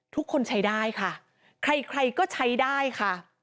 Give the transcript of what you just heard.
ทุกคนใช้ได้ค่ะใครใครก็ใช้ได้ค่ะ